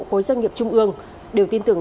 khối doanh nghiệp trung ương đều tin tưởng